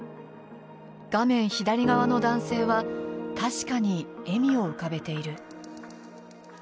画面左側の男性は確かに笑みを浮かべている。